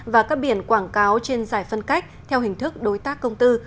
và các biển quảng cáo trên giải phân cách theo hình thức đối tác công tư